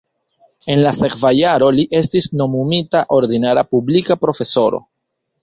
En la sekva jaro li estis nomumita ordinara publika profesoro.